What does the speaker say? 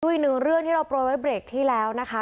อีกหนึ่งเรื่องที่เราโปรยไว้เบรกที่แล้วนะคะ